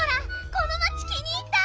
この町気に入った！